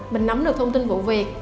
mình nắm được thông tin vụ việc